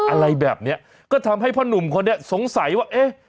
อะไรแบบเนี้ยก็ทำให้พ่อหนุ่มคนนี้สงสัยว่าเอ๊ะ